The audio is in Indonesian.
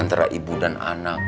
antara ibu dan anak